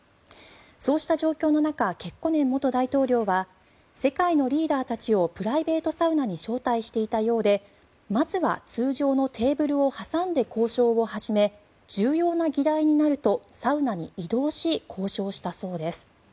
そうした状況の中ケッコネン元大統領は世界のリーダーたちをプライベートサウナに招待していたようでまずは通常のテーブルを挟んで交渉を始め重要な議題になるとサウナに移動し交渉したそうです。